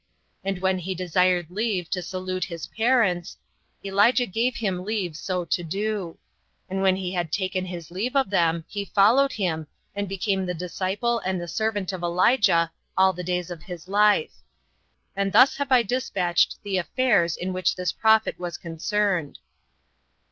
And when he desired leave to salute his parents, Elijah gave him leave so to do; and when he had taken his leave of them, he followed him, and became the disciple and the servant of Elijah all the days of his life. And thus have I despatched the affairs in which this prophet was concerned.